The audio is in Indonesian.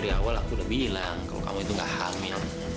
dari awal aku udah bilang kalau kamu itu gak hamil